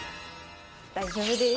大丈夫です！